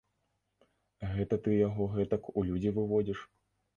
Гэта ты яго гэтак у людзі выводзіш?